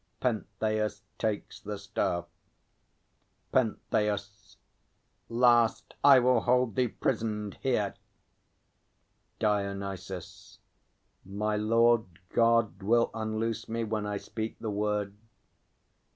[PENTHEUS takes the staff. PENTHEUS. Last, I will hold thee prisoned here. DIONYSUS. My Lord God will unloose me, when I speak the word.